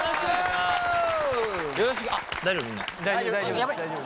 大丈夫です大丈夫です。